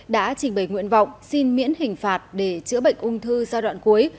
đã trình bày nguyện vọng xin miễn hình phạt để chữa bệnh ung thư giai đoạn cuối